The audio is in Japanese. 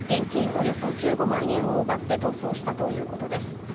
およそ１５万円を奪って逃走したということです。